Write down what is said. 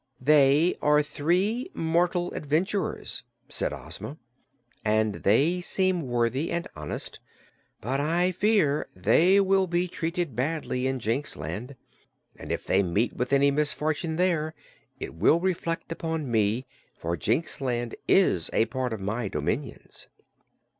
"They are three mortal adventurers," said Ozma, "and they seem worthy and honest. But I fear they will be treated badly in Jinxland, and if they meet with any misfortune there it will reflect upon me, for Jinxland is a part of my dominions."